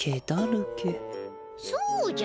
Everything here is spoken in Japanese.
そうじゃ。